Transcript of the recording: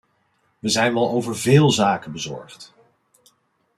Wij zijn wel over veel zaken bezorgd.